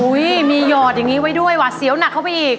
มีหยอดอย่างนี้ไว้ด้วยหวาดเสียวหนักเข้าไปอีก